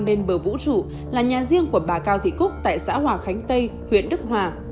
bên bờ vũ trụ là nhà riêng của bà cao thị cúc tại xã hòa khánh tây huyện đức hòa